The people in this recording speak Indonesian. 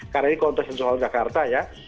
karena ini konteks yang soal jakarta ya